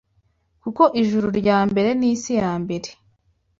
kuko ijuru rya mbere n’isi ya mbere